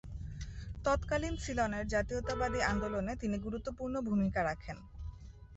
তৎকালীন সিলনের জাতীয়তাবাদী আন্দোলনে তিনি গুরুত্বপূর্ণ ভূমিকা রাখেন।